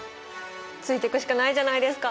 ついていくしかないじゃないですか。